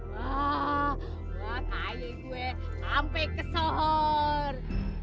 wah wah kaya gue sampe ke sohor